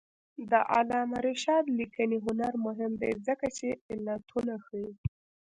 د علامه رشاد لیکنی هنر مهم دی ځکه چې علتونه ښيي.